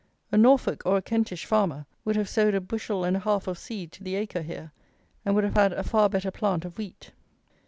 A Norfolk or a Kentish farmer would have sowed a bushel and a half of seed to the acre here, and would have had a far better plant of wheat.